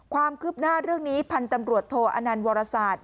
ความคืบหน้าเรื่องนี้พันธ์ตำรวจโทอนันต์วรศาสตร์